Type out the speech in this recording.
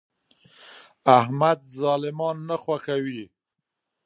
احمد ظالمان نه خوښوي.